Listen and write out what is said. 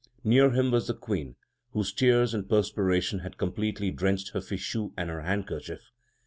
Near him was the Queen, whose tears and perspiration had completely drenched her fichu and her handkerchief.